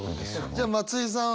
じゃあ松居さん